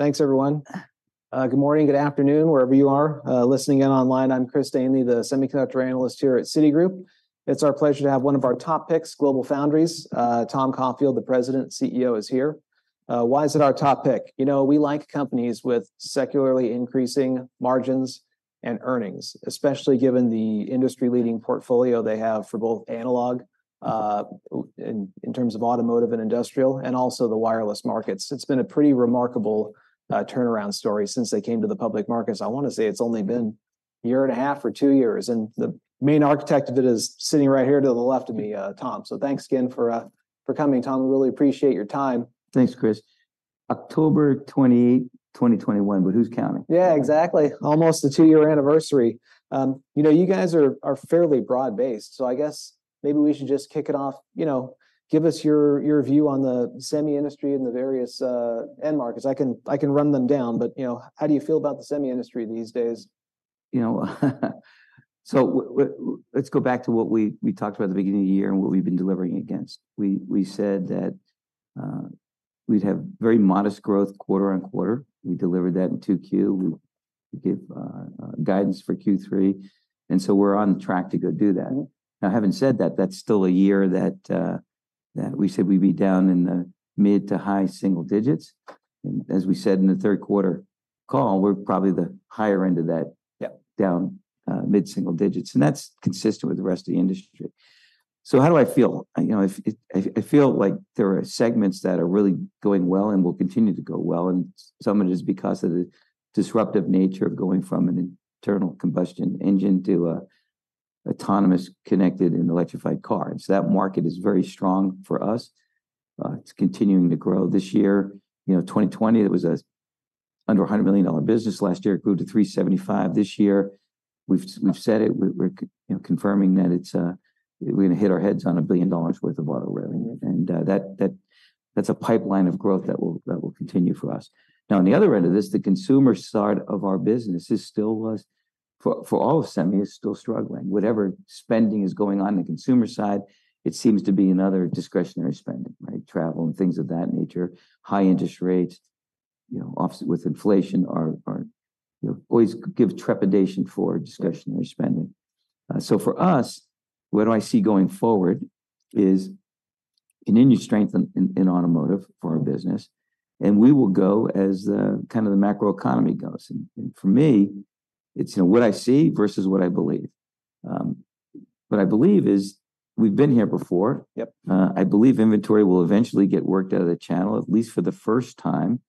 Thanks, everyone. Good morning, good afternoon, wherever you are, listening in online. I'm Chris Danely, the semiconductor analyst here at Citigroup. It's our pleasure to have one of our top picks, GlobalFoundries. Tom Caulfield, the President and CEO, is here. Why is it our top pick? You know, we like companies with secularly increasing margins and earnings, especially given the industry-leading portfolio they have for both analog, in terms of automotive and industrial, and also the wireless markets. It's been a pretty remarkable turnaround story since they came to the public markets. I want to say it's only been a year and a half or two years, and the main architect of it is sitting right here to the left of me, Tom. So thanks again for coming, Tom. We really appreciate your time. Thanks, Chris. October 20, 2021, but who's counting? Yeah, exactly. Almost a two-year anniversary. You know, you guys are fairly broad-based, so I guess maybe we should just kick it off. You know, give us your view on the semi industry and the various end markets. I can run them down, but, you know, how do you feel about the semi industry these days? You know, so let's go back to what we talked about at the beginning of the year and what we've been delivering against. We said that we'd have very modest growth quarter on quarter. We delivered that in 2Q. We give guidance for Q3, and so we're on track to go do that. Yep. Now, having said that, that's still a year that that we said we'd be down in the mid to high single digits. And as we said in the third quarter call, we're probably the higher end of that- Yep... down, mid-single digits, and that's consistent with the rest of the industry. So how do I feel? You know, I feel like there are segments that are really going well and will continue to go well, and some of it is because of the disruptive nature of going from an internal combustion engine to an autonomous, connected, and electrified car. So that market is very strong for us. It's continuing to grow this year. You know, 2020, it was under $100 million business last year. It grew to $375 million this year. We've said it, we're confirming that it's, we're gonna hit our heads on $1 billion worth of auto revenue. Mm-hmm. And that's a pipeline of growth that will continue for us. Now, on the other end of this, the consumer side of our business is still, for all of semi, struggling. Whatever spending is going on in the consumer side, it seems to be another discretionary spending, like travel and things of that nature. High interest rates, you know, obviously with inflation are, you know, always give trepidation for discretionary spending. So for us, what I see going forward is an industry strength in automotive for our business, and we will go as the kind of the macroeconomy goes. And for me, it's, you know, what I see versus what I believe. What I believe is we've been here before. Yep. I believe inventory will eventually get worked out of the channel, at least for the first time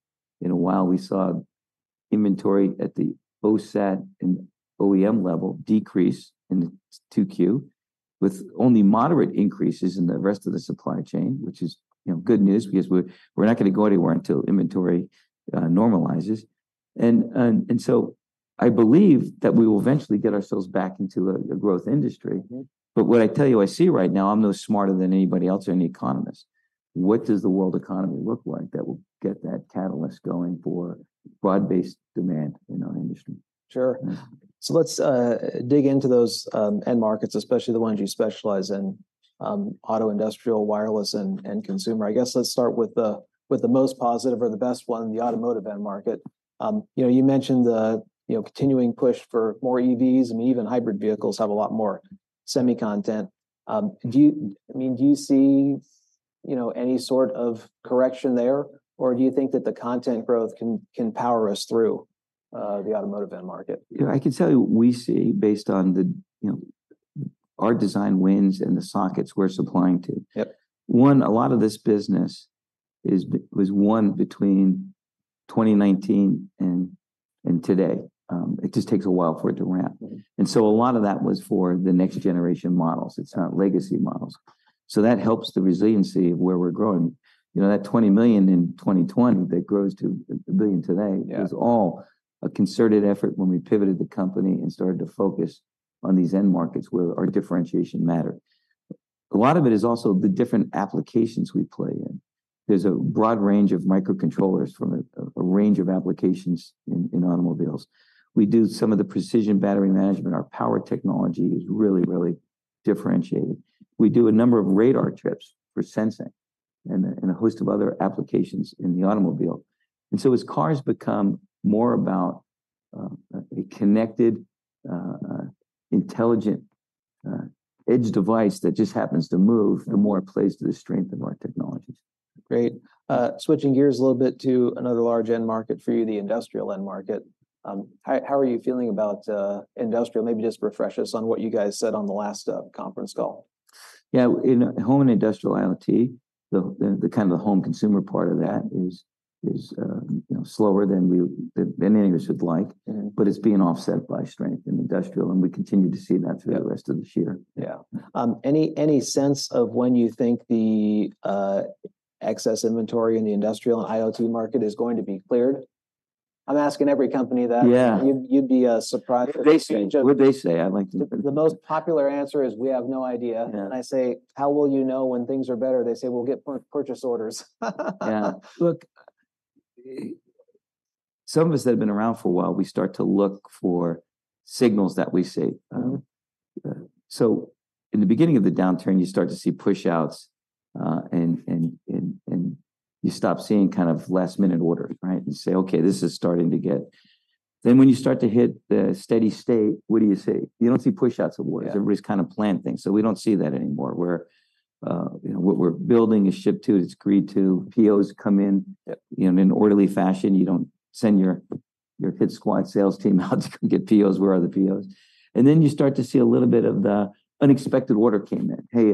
in a while. We saw inventory at the OSAT and OEM level decrease in 2Q, with only moderate increases in the rest of the supply chain, which is, you know, good news because we're not gonna go anywhere until inventory normalizes. So I believe that we will eventually get ourselves back into a growth industry. Mm-hmm. But what I tell you I see right now, I'm no smarter than anybody else or any economist. What does the world economy look like that will get that catalyst going for broad-based demand in our industry? Sure. Mm-hmm. So let's dig into those end markets, especially the ones you specialize in, auto, industrial, wireless, and, and consumer. I guess let's start with the most positive or the best one, the automotive end market. You know, you mentioned the, you know, continuing push for more EVs, and even hybrid vehicles have a lot more semi content. Do you, I mean, do you see, you know, any sort of correction there, or do you think that the content growth can, can power us through the automotive end market? You know, I can tell you what we see based on the, you know, our design wins and the sockets we're supplying to. Yep. One, a lot of this business was won between 2019 and today. It just takes a while for it to ramp. Mm-hmm. So a lot of that was for the next generation models. It's not legacy models. That helps the resiliency of where we're growing. You know, that $20 million in 2020 that grows to $1 billion today- Yeah Is all a concerted effort when we pivoted the company and started to focus on these end markets where our differentiation matter. A lot of it is also the different applications we play in. There's a broad range of microcontrollers from a range of applications in automobiles. We do some of the precision battery management. Our power technology is really, really differentiated. We do a number of radar chips for sensing and a host of other applications in the automobile. And so as cars become more about a connected intelligent edge device that just happens to move, the more it plays to the strength of our technologies. Great. Switching gears a little bit to another large end market for you, the industrial end market. How are you feeling about industrial? Maybe just refresh us on what you guys said on the last conference call. Yeah, in home and industrial IoT, the kind of the home consumer part of that is you know, slower than we- than any of us would like. Mm-hmm. But it's being offset by strength in industrial, and we continue to see that through the rest of this year. Yeah. Any sense of when you think the excess inventory in the industrial and IoT market is going to be cleared? I'm asking every company that. Yeah. You'd be surprised at the range of- What'd they say? I'd like to know. The most popular answer is, "We have no idea. Yeah. I say, "How will you know when things are better?" They say, "We'll get purchase orders. Yeah. Look, some of us that have been around for a while, we start to look for signals that we see. So in the beginning of the downturn, you start to see pushouts, and you stop seeing kind of last-minute orders, right? You say, "Okay, this is starting to get-" Then when you start to hit the steady state, what do you see? You don't see pushouts of orders. Yeah. Everybody's kind of planned things, so we don't see that anymore, where, you know, what we're building a ship to, it's agreed to. POs come in, you know, in an orderly fashion. You don't send your hit squad sales team out to come get POs, "Where are the POs?" And then you start to see a little bit of the unexpected order came in. "Hey,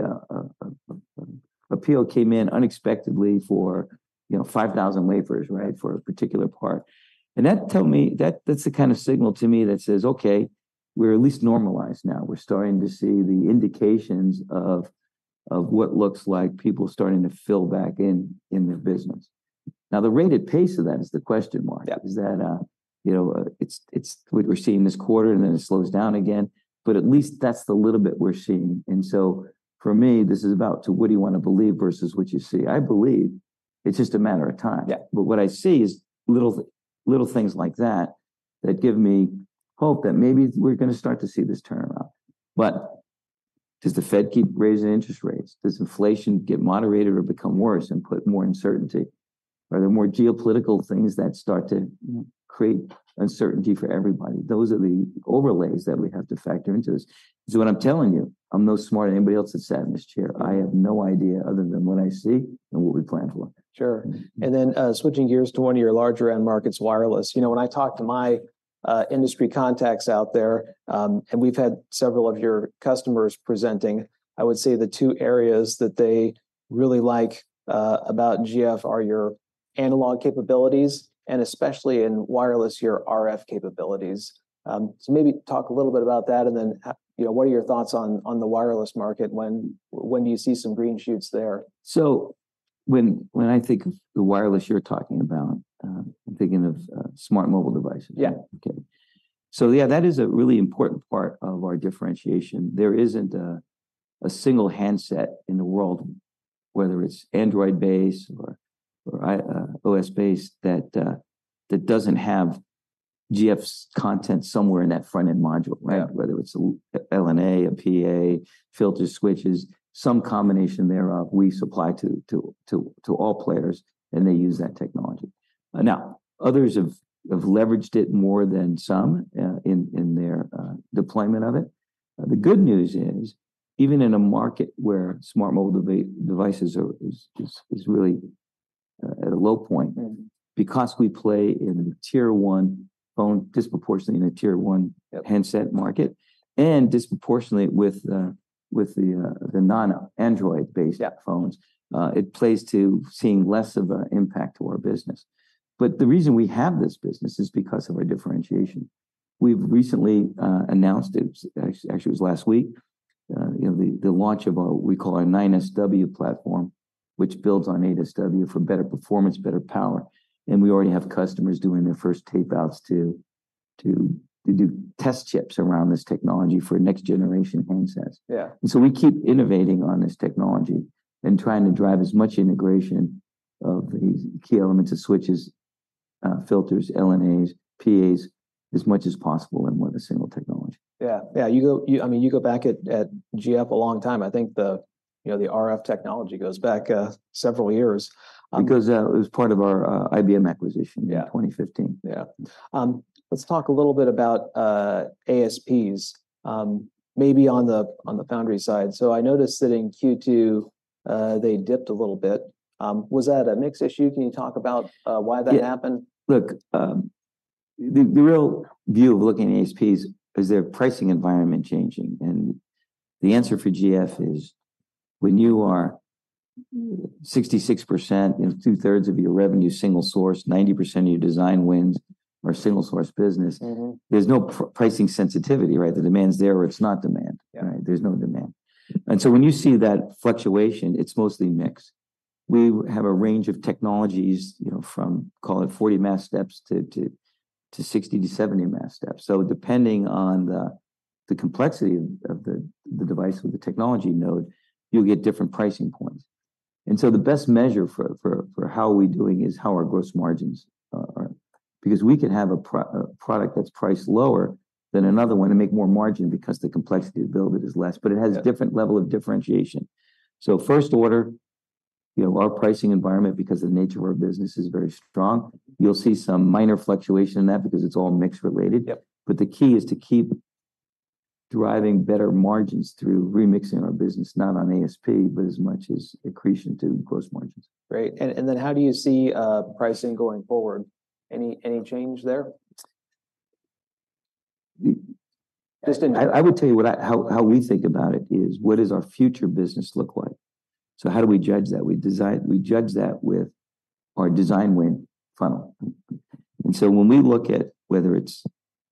a PO came in unexpectedly for, you know, 5,000 wafers," right, for a particular part. And that tell me, that's the kind of signal to me that says, "Okay, we're at least normalized now." We're starting to see the indications of what looks like people starting to fill back in in their business. Now, the rate and pace of that is the question mark. Yeah. Is that, you know, it's, we're seeing this quarter, and then it slows down again, but at least that's the little bit we're seeing. And so for me, this is about to what do you want to believe versus what you see. I believe it's just a matter of time. Yeah. But what I see is little, little things like that, that give me hope that maybe we're going to start to see this turnaround. But does the Fed keep raising interest rates? Does inflation get moderated or become worse and put more uncertainty? Are there more geopolitical things that start to, you know, create uncertainty for everybody? Those are the overlays that we have to factor into this. So what I'm telling you, I'm no smarter than anybody else that's sat in this chair. I have no idea other than what I see and what we plan for. Sure. And then, switching gears to one of your larger end markets, wireless. You know, when I talk to my industry contacts out there, and we've had several of your customers presenting, I would say the two areas that they really like about GF are your analog capabilities, and especially in wireless, your RF capabilities. So maybe talk a little bit about that, and then, you know, what are your thoughts on the wireless market? When do you see some green shoots there? So when I think of the wireless you're talking about, I'm thinking of smart mobile devices. Yeah. Okay. So yeah, that is a really important part of our differentiation. There isn't a single handset in the world, whether it's Android-based or iOS-based, that that doesn't have GF's content somewhere in that front-end module. Whether it's a LNA, a PA, filter switches, some combination thereof, we supply to all players, and they use that technology. Now, others have leveraged it more than some in their deployment of it. The good news is, even in a market where smart mobile devices are really at a low point- Mm-hmm Because we play in the Tier One phone, disproportionately in the Tier One- Yeah Handset market, and disproportionately with the non-Android-based- Yeah Phones, it plays to seeing less of an impact to our business. But the reason we have this business is because of our differentiation. We've recently announced it. Actually, it was last week, you know, the launch of what we call our 9SW platform, which builds on 8SW for better performance, better power. And we already have customers doing their first tapeouts to do test chips around this technology for next-generation handsets. Yeah. And so we keep innovating on this technology and trying to drive as much integration of these key elements of switches, filters, LNAs, PAs, as much as possible and with a single technology. Yeah. Yeah, you go, you—I mean, you go back at, at GF a long time. I think the, you know, the RF technology goes back several years, It goes, it was part of our, IBM acquisition- Yeah in 2015. Yeah. Let's talk a little bit about ASPs, maybe on the foundry side. So I noticed that in Q2, they dipped a little bit. Was that a mix issue? Can you talk about why that happened? Yeah. Look, the real view of looking at ASPs is their pricing environment changing? And the answer for GF is, when you are 66%, you know, two-thirds of your revenue, single source, 90% of your design wins are single-source business- Mm-hmm There's no pricing sensitivity, right? The demand is there, or it's not demand. Yeah. Right? There's no demand. And so when you see that fluctuation, it's mostly mix. We have a range of technologies, you know, from, call it, 40 mask steps to 60 to 70 mask steps. So depending on the complexity of the device or the technology node, you'll get different pricing points. And so the best measure for how we're doing is how our gross margins are. Because we could have a product that's priced lower than another one and make more margin because the complexity to build it is less- Yeah But it has a different level of differentiation. So first order, you know, our pricing environment, because of the nature of our business, is very strong. You'll see some minor fluctuation in that because it's all mix related. Yep. The key is to keep driving better margins through remixing our business, not on ASP, but as much as accretion to gross margins. Great. And, and then how do you see pricing going forward? Any, any change there? Just in- I would tell you how we think about it is, what does our future business look like? So how do we judge that? We judge that with our design win funnel. And so when we look at whether it's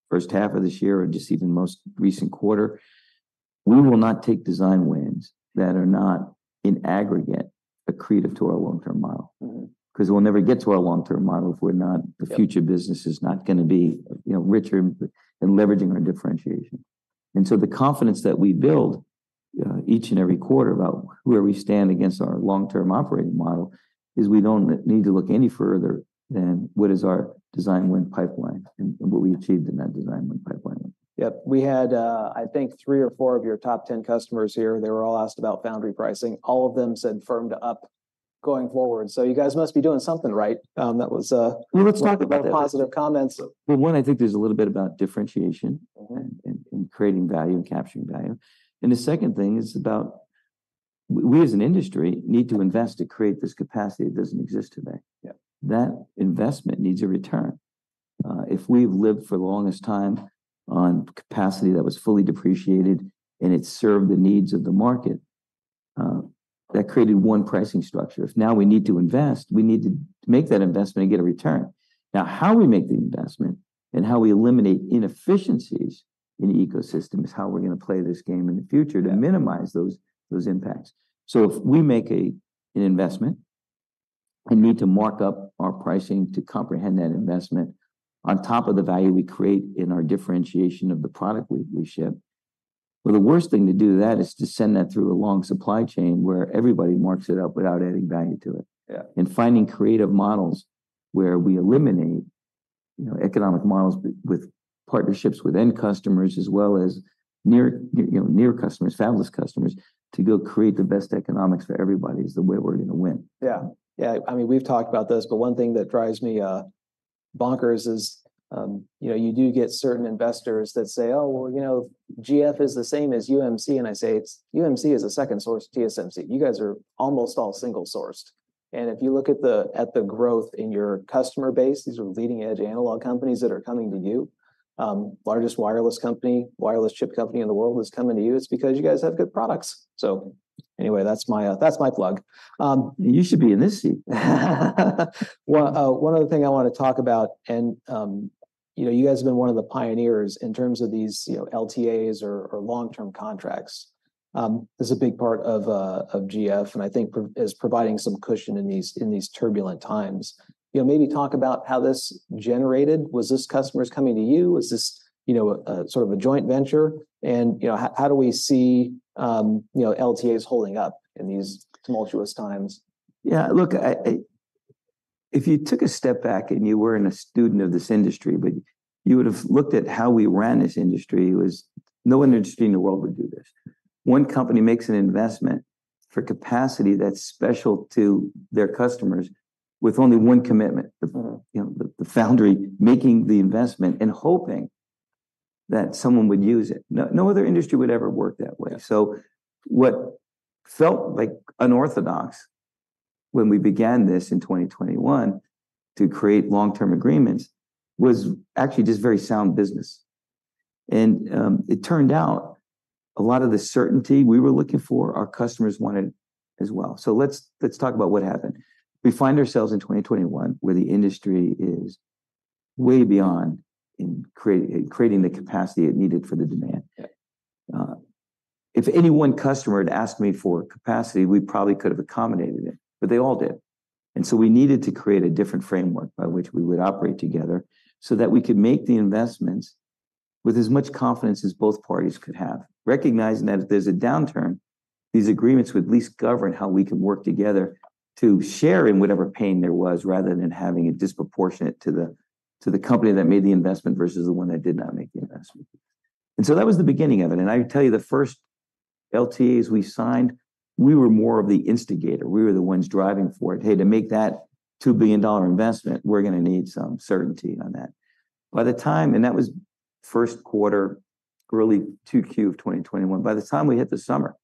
first half of this year or just even most recent quarter, we will not take design wins that are not, in aggregate, accretive to our long-term model. Mm-hmm. Because we'll never get to our long-term model if we're not- Yeah ...the future business is not gonna be, you know, richer and leveraging our differentiation. And so the confidence that we build each and every quarter about where we stand against our long-term operating model is we don't need to look any further than what is our design win pipeline and what we achieved in that design win pipeline. Yep, we had I think three or four of your top 10 customers here. They were all asked about foundry pricing. All of them said firmed up going forward. So you guys must be doing something right. That was, Well, let's talk about that. A lot of positive comments. Well, one, I think there's a little bit about differentiation- Mm-hmm And creating value and capturing value. The second thing is about we as an industry need to invest to create this capacity that doesn't exist today. Yep. That investment needs a return. If we've lived for the longest time on capacity that was fully depreciated and it served the needs of the market, that created one pricing structure. If now we need to invest, we need to make that investment and get a return. Now, how we make the investment and how we eliminate inefficiencies in the ecosystem is how we're gonna play this game in the future- Yeah To minimize those impacts. So if we make an investment and need to mark up our pricing to comprehend that investment on top of the value we create in our differentiation of the product we ship, well, the worst thing to do to that is to send that through a long supply chain where everybody marks it up without adding value to it. Yeah. Finding creative models where we eliminate, you know, economic models with partnerships with end customers as well as near, you know, near customers, fabless customers, to go create the best economics for everybody is the way we're gonna win. Yeah. Yeah, I mean, we've talked about this, but one thing that drives me bonkers is, you know, you do get certain investors that say, "Oh, well, you know, GF is the same as UMC," and I say, "It's UMC is a second source TSMC. You guys are almost all single-sourced." And if you look at the growth in your customer base, these are leading-edge analog companies that are coming to you. Largest wireless company, wireless chip company in the world is coming to you. It's because you guys have good products. So anyway, that's my plug. You should be in this seat. One, one other thing I want to talk about, and, you know, you guys have been one of the pioneers in terms of these, you know, LTAs or, or long-term contracts. This is a big part of, of GF, and I think is providing some cushion in these, in these turbulent times. You know, maybe talk about how this generated. Was this customers coming to you? Was this, you know, a, sort of a joint venture? And, you know, how, how do we see, you know, LTAs holding up in these tumultuous times? Yeah, look, if you took a step back and you weren't a student of this industry, but you would have looked at how we ran this industry, it was no other industry in the world would do this. One company makes an investment for capacity that's special to their customers with only one commitment- Mm-hmm You know, the foundry making the investment and hoping that someone would use it. No, no other industry would ever work that way. Yeah. So what felt like unorthodox when we began this in 2021 to create long-term agreements was actually just very sound business. And it turned out a lot of the certainty we were looking for, our customers wanted as well. So let's talk about what happened. We find ourselves in 2021, where the industry is way beyond in creating the capacity it needed for the demand. Yeah. If any one customer had asked me for capacity, we probably could have accommodated it, but they all did. And so we needed to create a different framework by which we would operate together so that we could make the investments with as much confidence as both parties could have. Recognizing that if there's a downturn, these agreements would at least govern how we could work together to share in whatever pain there was, rather than having it disproportionate to the, to the company that made the investment versus the one that did not make the investment. And so that was the beginning of it. And I tell you, the first LTAs we signed, we were more of the instigator. We were the ones driving for it. Hey, to make that $2 billion investment, we're gonna need some certainty on that." By the time, and that was first quarter, early 2Q of 2021. By the time we hit the summer,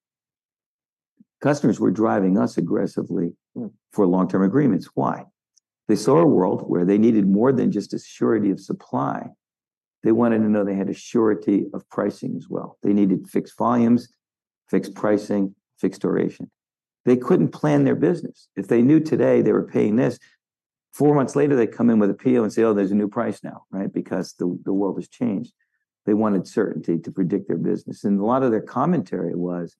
customers were driving us aggressively- Mm For long-term agreements. Why? They saw a world where they needed more than just a surety of supply. They wanted to know they had a surety of pricing as well. They needed fixed volumes, fixed pricing, fixed duration. They couldn't plan their business. If they knew today they were paying this, four months later, they come in with a PO and say, "Oh, there's a new price now," right? Because the world has changed. They wanted certainty to predict their business. And a lot of their commentary was,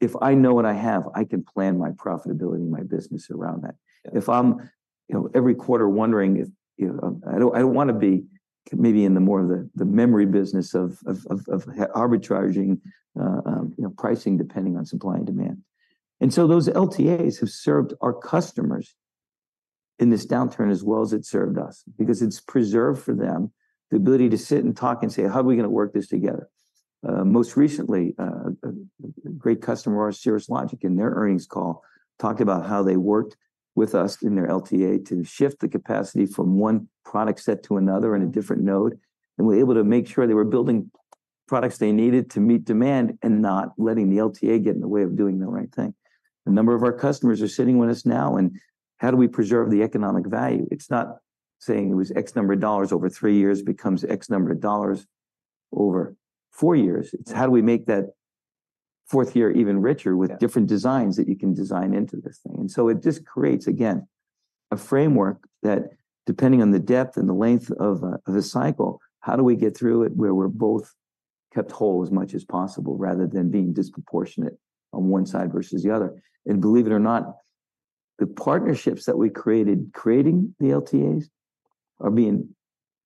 "If I know what I have, I can plan my profitability and my business around that. Yeah. If I'm, you know, every quarter wondering if, you know... I don't, I don't wanna be maybe in the more of the, the memory business of, of, of, of arbitraging, you know, pricing depending on supply and demand." And so those LTAs have served our customers in this downturn as well as it served us, because it's preserved for them the ability to sit and talk and say: How are we gonna work this together? Most recently, a great customer, Cirrus Logic, in their earnings call, talked about how they worked with us in their LTA to shift the capacity from one product set to another in a different node, and we're able to make sure they were building products they needed to meet demand and not letting the LTA get in the way of doing the right thing. A number of our customers are sitting with us now, and how do we preserve the economic value? It's not saying it was X number of dollars over three years becomes X number of dollars over four years. Yeah. It's how do we make that fourth year even richer- Yeah With different designs that you can design into this thing? And so it just creates, again, a framework that depending on the depth and the length of the cycle, how do we get through it, where we're both kept whole as much as possible, rather than being disproportionate on one side versus the other? And believe it or not... The partnerships that we created creating the LTAs are being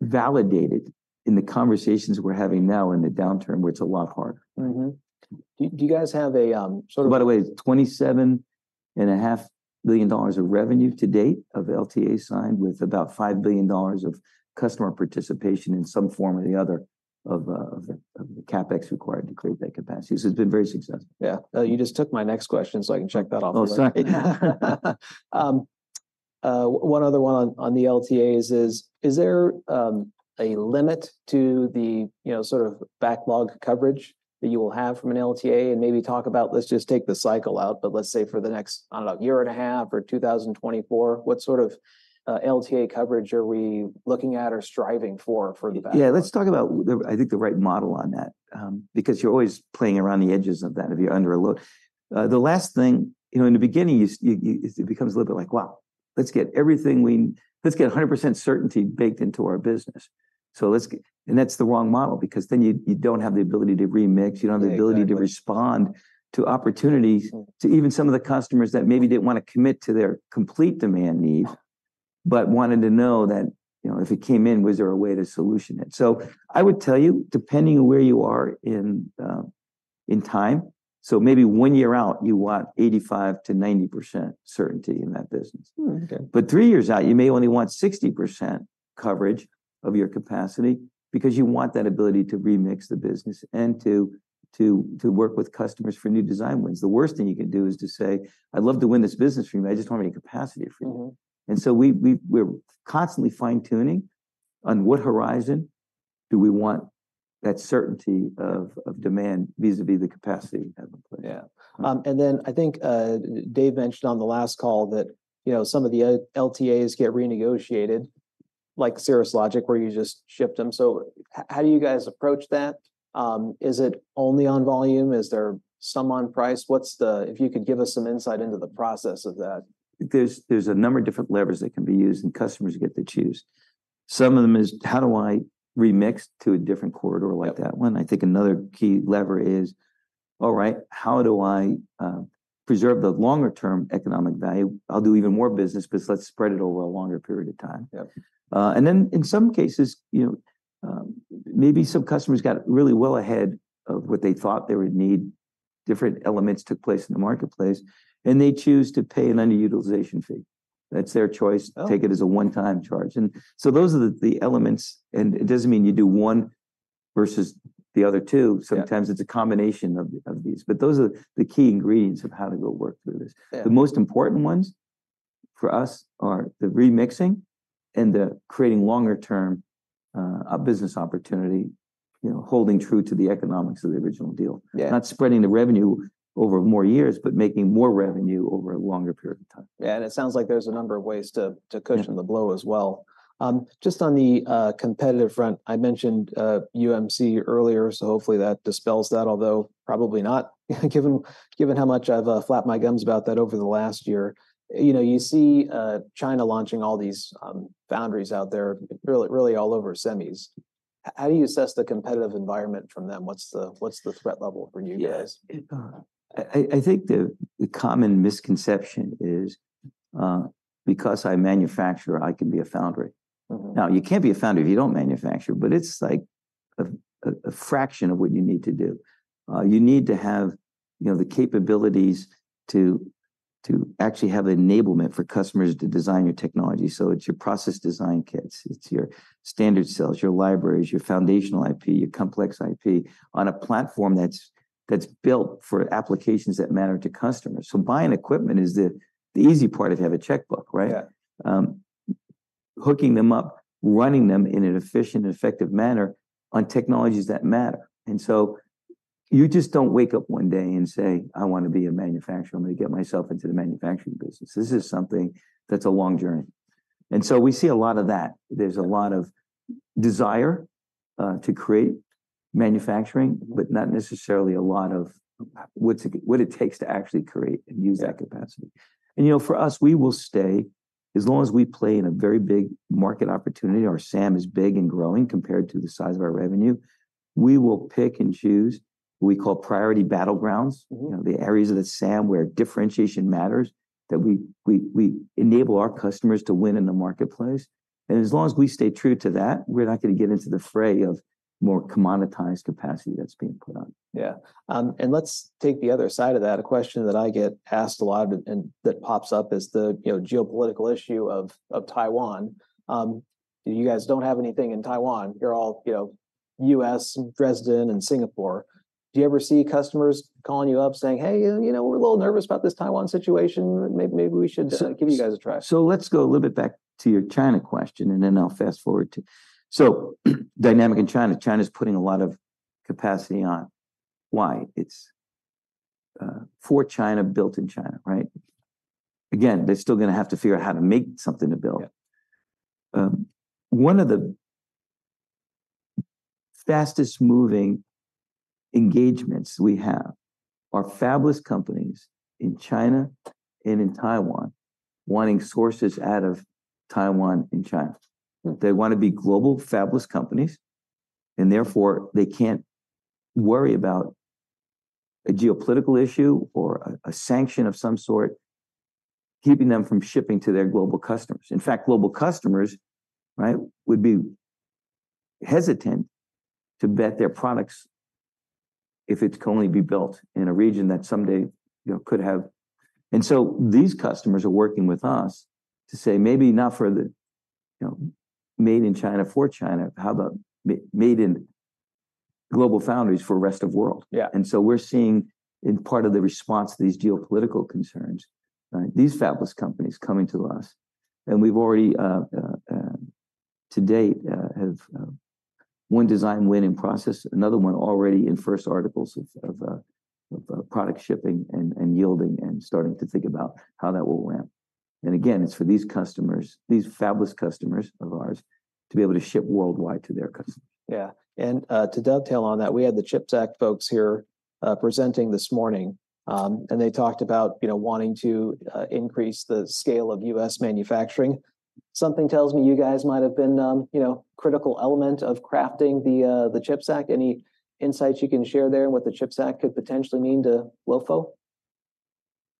validated in the conversations we're having now in the downturn, where it's a lot harder. Mm-hmm. Do you guys have a sort of- By the way, it's $27.5 billion of revenue to date of LTA signed, with about $5 billion of customer participation in some form or the other of the CapEx required to create that capacity. So it's been very successful. Yeah. You just took my next question, so I can check that off. Oh, sorry. One other one on, on the LTAs is, is there a limit to the, you know, sort of backlog coverage that you will have from an LTA? And maybe talk about, let's just take the cycle out, but let's say for the next, I don't know, year and a half or 2024, what sort of LTA coverage are we looking at or striving for, for the backlog? Yeah, let's talk about the, I think, the right model on that. Because you're always playing around the edges of that if you're under a load. The last thing... You know, in the beginning, it becomes a little bit like, "Wow, let's get everything we-- let's get 100% certainty baked into our business. So let's get-" And that's the wrong model because then you don't have the ability to remix. Yeah, exactly. You don't have the ability to respond to opportunities- Mm To even some of the customers that maybe didn't want to commit to their complete demand need, but wanted to know that, you know, if it came in, was there a way to solution it? So I would tell you, depending on where you are in time, so maybe one year out, you want 85%-90% certainty in that business. Mm, okay. Three years out, you may only want 60% coverage of your capacity because you want that ability to remix the business and to work with customers for new design wins. The worst thing you can do is to say, "I'd love to win this business from you, I just don't have any capacity for you. Mm-hmm. So we're constantly fine-tuning on what horizon do we want that certainty of demand vis-à-vis the capacity that we put. Yeah. And then I think Dave mentioned on the last call that, you know, some of the LTAs get renegotiated, like Cirrus Logic, where you just ship them. So how do you guys approach that? Is it only on volume? Is there some on price? What's the if you could give us some insight into the process of that. There's a number of different levers that can be used, and customers get to choose. Some of them is, how do I remix to a different corridor like that one? I think another key lever is, all right, how do I preserve the longer-term economic value? I'll do even more business 'cause let's spread it over a longer period of time. Yeah. And then, in some cases, you know, maybe some customers got really well ahead of what they thought they would need. Different elements took place in the marketplace, and they choose to pay an underutilization fee. That's their choice- Oh! Take it as a one-time charge. And so those are the elements, and it doesn't mean you do one versus the other two. Yeah. Sometimes it's a combination of, of these. But those are the key ingredients of how to go work through this. Yeah. The most important ones for us are the remixing and the creating longer-term, a business opportunity, you know, holding true to the economics of the original deal. Yeah. Not spreading the revenue over more years, but making more revenue over a longer period of time. Yeah, and it sounds like there's a number of ways to- Yeah To cushion the blow as well. Just on the competitive front, I mentioned UMC earlier, so hopefully that dispels that, although probably not, given how much I've flapped my gums about that over the last year. You know, you see China launching all these foundries out there, really, really all over semis. How do you assess the competitive environment from them? What's the threat level for you guys? Yeah. I think the common misconception is, because I manufacture, I can be a foundry. Mm-hmm. Now, you can't be a foundry if you don't manufacture, but it's like a fraction of what you need to do. You need to have, you know, the capabilities to actually have enablement for customers to design your technology. So it's your process design kits, it's your standard cells, your libraries, your foundational IP, your complex IP, on a platform that's built for applications that matter to customers. So buying equipment is the easy part if you have a checkbook, right? Yeah. Hooking them up, running them in an efficient and effective manner on technologies that matter. And so you just don't wake up one day and say: I want to be a manufacturer, I'm going to get myself into the manufacturing business. This is something that's a long journey. And so we see a lot of that. There's a lot of desire to create manufacturing- Mm-hmm But not necessarily a lot of what it takes to actually create and use- Yeah That capacity. You know, for us, we will stay, as long as we play in a very big market opportunity, our SAM is big and growing compared to the size of our revenue, we will pick and choose what we call priority battlegrounds. Mm-hmm. You know, the areas of the SAM where differentiation matters, that we enable our customers to win in the marketplace. And as long as we stay true to that, we're not going to get into the fray of more commoditized capacity that's being put on. Yeah. And let's take the other side of that. A question that I get asked a lot and that pops up is the, you know, geopolitical issue of Taiwan. You guys don't have anything in Taiwan. You're all, you know, U.S., Dresden, and Singapore. Do you ever see customers calling you up saying: "Hey, you know, we're a little nervous about this Taiwan situation. Maybe we should- So- Give you guys a try? So let's go a little bit back to your China question, and then I'll fast-forward to... So, dynamic in China, China's putting a lot of capacity on. Why? It's for China, built in China, right? Again, they're still gonna have to figure out how to make something to build. Yeah. One of the fastest-moving engagements we have are fabless companies in China and in Taiwan, wanting sources out of Taiwan and China. They want to be global fabless companies, and therefore, they can't worry about a geopolitical issue or a sanction of some sort, keeping them from shipping to their global customers. In fact, global customers, right, would be hesitant to bet their products if it can only be built in a region that someday, you know, could have. And so these customers are working with us to say maybe not for the, you know, made in China for China, how about made in GlobalFoundries for rest of world? Yeah. And so we're seeing in part of the response to these geopolitical concerns, right, these fabless companies coming to us, and we've already, to date, have one design win in process, another one already in first articles of product shipping and yielding and starting to think about how that will ramp. And again, it's for these customers, these fabless customers of ours, to be able to ship worldwide to their customers. Yeah. And, to dovetail on that, we had the CHIPS Act folks here, presenting this morning. And they talked about, you know, wanting to, increase the scale of U.S. manufacturing. Something tells me you guys might have been, you know, critical element of crafting the, the CHIPS Act. Any insights you can share there and what the CHIPS Act could potentially mean to GloFo?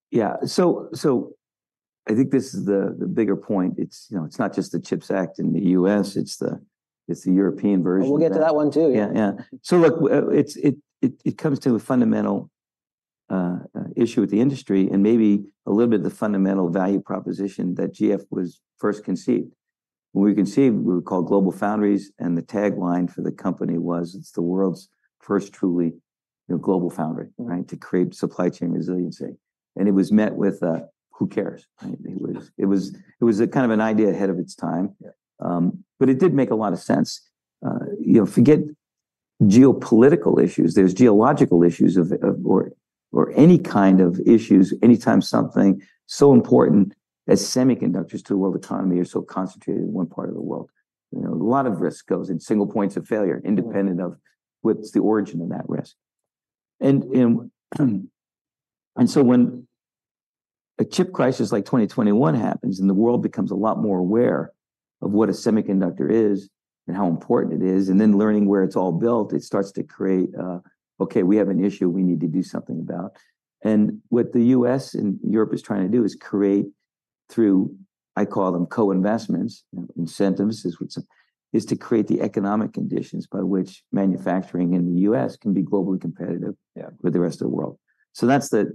Yeah. So I think this is the bigger point. It's, you know, it's not just the CHIPS Act in the U.S., it's the European version. We'll get to that one, too. Yeah, yeah. So look, it comes to a fundamental issue with the industry and maybe a little bit of the fundamental value proposition that GF was first conceived. When we conceived, we were called GlobalFoundries, and the tagline for the company was, "It's the world's first truly, you know, GlobalFoundry," right? To create supply chain resiliency. And it was met with, who cares, right? It was a kind of an idea ahead of its time. Yeah. But it did make a lot of sense. You know, forget geopolitical issues, there's geological issues or any kind of issues, anytime something so important as semiconductors to the world economy are so concentrated in one part of the world. You know, a lot of risk goes in single points of failure- Yeah Independent of what's the origin of that risk. And so when a chip crisis like 2021 happens, and the world becomes a lot more aware of what a semiconductor is and how important it is, and then learning where it's all built, it starts to create... "Okay, we have an issue we need to do something about." And what the U.S. and Europe is trying to do is create through, I call them co-investments, you know, incentives is what some is to create the economic conditions by which manufacturing in the U.S. can be globally competitive- Yeah With the rest of the world. So that's the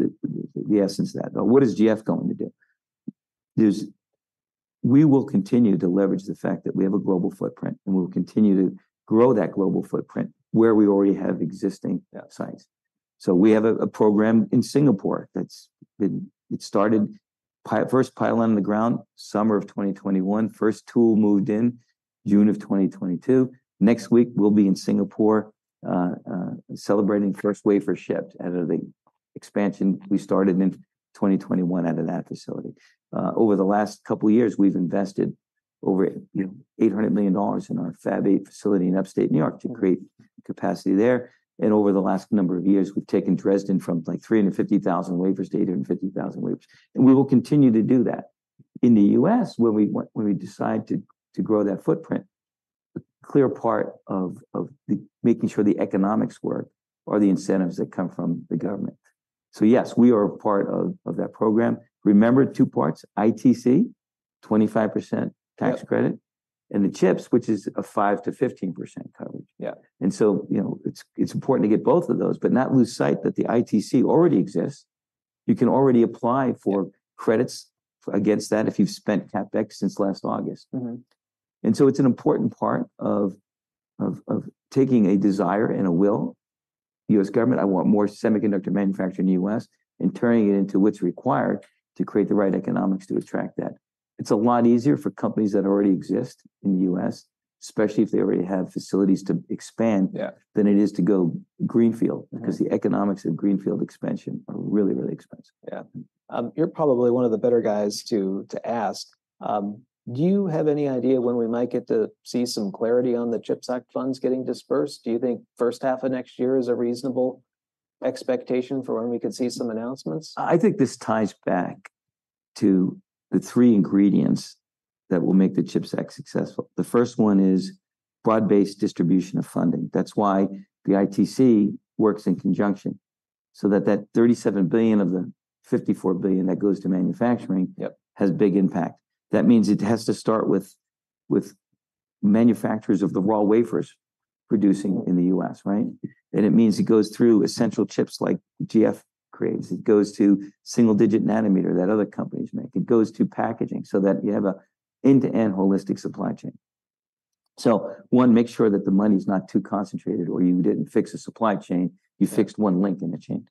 essence of that. But what is GF going to do? Is we will continue to leverage the fact that we have a global footprint, and we will continue to grow that global footprint where we already have existing sites. So we have a program in Singapore that started first pile on the ground, summer of 2021. First tool moved in June of 2022. Next week, we'll be in Singapore, celebrating first wafer shipped out of the expansion we started in 2021 out of that facility. Over the last couple of years, we've invested over, you know, $800 million in our Fab 8 facility in upstate New York to create capacity there. Over the last number of years, we've taken Dresden from, like, 350,000 wafers to 850,000 wafers. We will continue to do that. In the U.S., when we decide to grow that footprint, the clear part of making sure the economics work are the incentives that come from the government. So yes, we are a part of that program. Remember two parts, ITC, 25% tax credit- Yeah And the CHIPS, which is a 5%-15% coverage. Yeah. And so, you know, it's important to get both of those, but not lose sight that the ITC already exists. You can already apply for credits against that if you've spent CapEx since last August. Mm-hmm. And so it's an important part of taking a desire and a will, U.S. government, I want more semiconductor manufacturing in the U.S., and turning it into what's required to create the right economics to attract that. It's a lot easier for companies that already exist in the U.S., especially if they already have facilities to expand- Yeah Than it is to go greenfield- Yeah Because the economics of greenfield expansion are really, really expensive. Yeah. You're probably one of the better guys to ask. Do you have any idea when we might get to see some clarity on the CHIPS Act funds getting dispersed? Do you think first half of next year is a reasonable expectation for when we could see some announcements? I think this ties back to the three ingredients that will make the CHIPS Act successful. The first one is broad-based distribution of funding. That's why the ITC works in conjunction, so that $37 billion of the $54 billion that goes to manufacturing- Yep Has big impact. That means it has to start with manufacturers of the raw wafers producing in the U.S., right? And it means it goes through essential chips like GF creates. It goes to single-digit nanometer that other companies make. It goes to packaging so that you have an end-to-end holistic supply chain. So one, make sure that the money is not too concentrated or you didn't fix a supply chain, you fixed one link in the chain.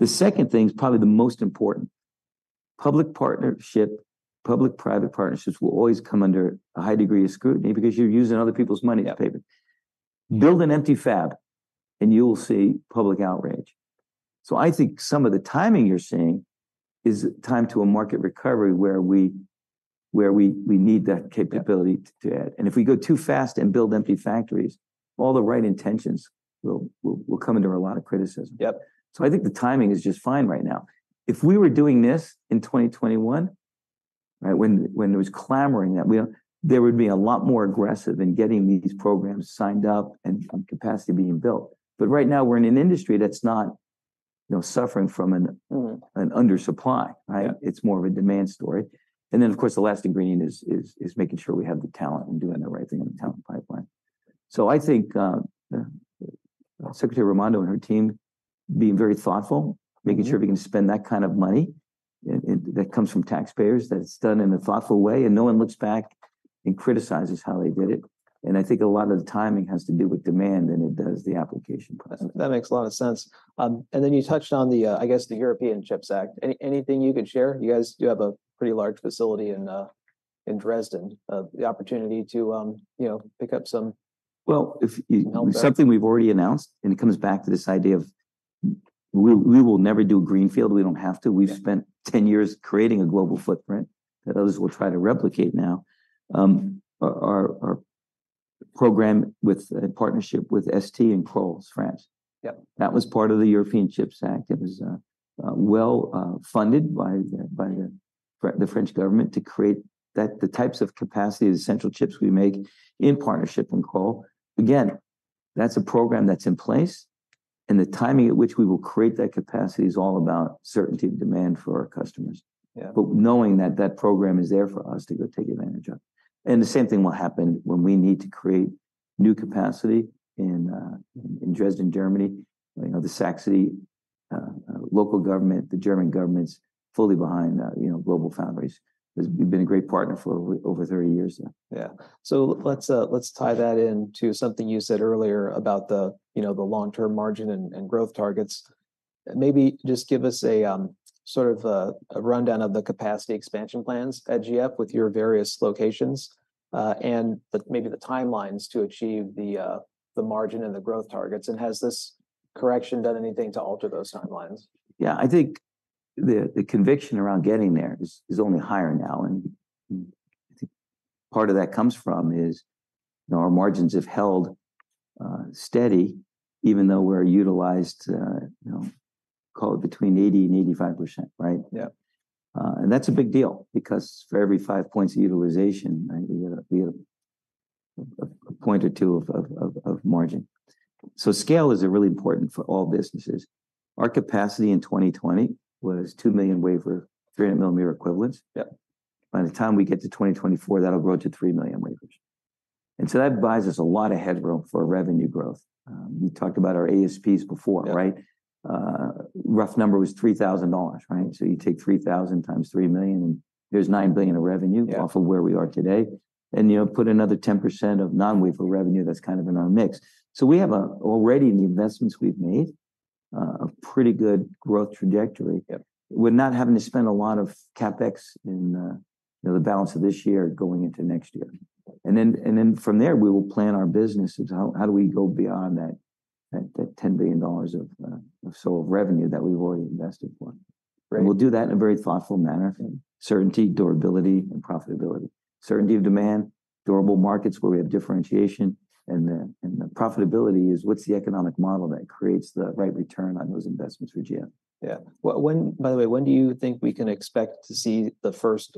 The second thing is probably the most important. Public-private partnerships will always come under a high degree of scrutiny because you're using other people's money to pay for it. Yeah. Build an empty fab, and you will see public outrage. So I think some of the timing you're seeing is time to a market recovery where we need that capability to add. Yeah. If we go too fast and build empty factories, all the right intentions will come under a lot of criticism. Yep. So I think the timing is just fine right now. If we were doing this in 2021- ... Right? When, when there was clamoring that we are, there would be a lot more aggressive in getting these programs signed up and, and capacity being built. But right now, we're in an industry that's not, you know, suffering from an- Mm An undersupply, right? Yeah. It's more of a demand story. And then, of course, the last ingredient is making sure we have the talent and doing the right thing in the talent pipeline. So I think, Secretary Raimondo and her team being very thoughtful- Mm-hmm Making sure we can spend that kind of money, and, and that comes from taxpayers, that it's done in a thoughtful way, and no one looks back and criticizes how they did it. And I think a lot of the timing has to do with demand, and it does the application process. That makes a lot of sense. And then you touched on the, I guess, the European CHIPS Act. Anything you could share? You guys do have a pretty large facility in, in Dresden. The opportunity to, you know, pick up some- Well, if- Help there. Something we've already announced, and it comes back to this idea of we will never do greenfield. We don't have to. Yeah. We've spent 10 years creating a global footprint that others will try to replicate now. Our program within partnership with ST in Crolles, France. Yep. That was part of the European CHIPS Act. It was funded by the French government to create the types of capacity, the central chips we make in partnership in Crolles. Again, that's a program that's in place, and the timing at which we will create that capacity is all about certainty and demand for our customers. Yeah. But knowing that that program is there for us to go take advantage of. And the same thing will happen when we need to create new capacity in, in Dresden, Germany. You know, the Saxony, local government, the German government's fully behind, you know, GlobalFoundries. 'Cause we've been a great partner for over 30 years now. Yeah. So let's tie that in to something you said earlier about the, you know, the long-term margin and growth targets. Maybe just give us sort of a rundown of the capacity expansion plans at GF with your various locations, and maybe the timelines to achieve the margin and the growth targets. And has this correction done anything to alter those timelines? Yeah, I think the conviction around getting there is only higher now, and I think part of that comes from, you know, our margins have held steady even though we're utilized, you know, call it between 80% and 85%, right? Yeah. And that's a big deal because for every five points of utilization, right, we get a point or two of margin. So scale is really important for all businesses. Our capacity in 2020 was 2 million wafer 300-millimeter equivalents. Yep. By the time we get to 2024, that'll grow to 3 million wafers. And so that buys us a lot of headroom for revenue growth. You talked about our ASPs before. Yeah Right? Rough number was $3,000, right? So you take 3,000 times 3 million, and there's $9 billion of revenue- Yeah Off of where we are today. You know, put another 10% of non-wafer revenue, that's kind of in our mix. So we have already in the investments we've made a pretty good growth trajectory. Yep. We're not having to spend a lot of CapEx in, you know, the balance of this year going into next year. And then, and then from there, we will plan our business as how, how do we go beyond that, that, that $10 billion of, of sort of revenue that we've already invested for? Right. We'll do that in a very thoughtful manner- Yeah Certainty, durability, and profitability. Certainty of demand, durable markets where we have differentiation, and the profitability is what's the economic model that creates the right return on those investments for GF? Yeah. By the way, when do you think we can expect to see the first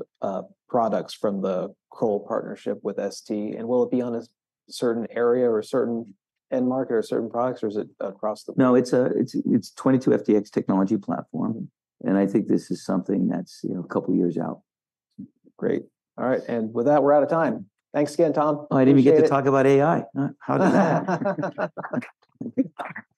products from the Crolles partnership with ST? And will it be on a certain area or a certain end market or certain products, or is it across the board? No, it's 22FDX technology platform. And I think this is something that's, you know, a couple of years out. Great. All right, and with that, we're out of time. Thanks again, Tom. I didn't even get to talk about AI, huh? How did that... Thank you.